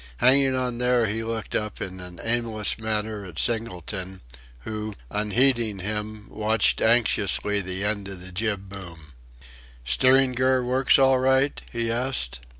Hanging on there he looked up in an aimless manner at Singleton, who, unheeding him, watched anxiously the end of the jib boom "Steering gear works all right?" he asked.